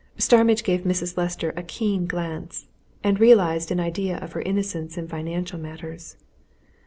Starmidge gave Mrs. Lester a keen glance, and realized an idea of her innocence in financial matters.